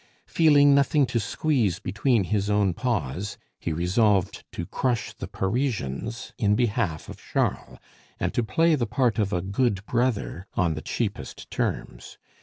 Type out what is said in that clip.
Feeling nothing to squeeze between his own paws, he resolved to crush the Parisians in behalf of Charles, and to play the part of a good brother on the cheapest terms.